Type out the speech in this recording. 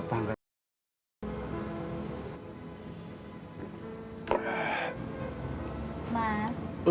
tidak dapat menciptakan rumah tangga